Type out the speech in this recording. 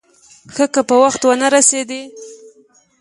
ښه که په وخت ونه رسېدې.